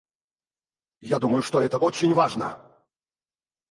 Я думаю, что это очень важно.